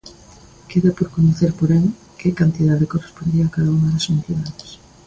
Queda por coñecer, porén, que cantidade correspondería a cada unha das entidades.